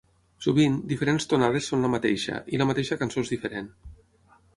Sovint, "diferents tonades són la mateixa" i "la mateixa cançó és diferent".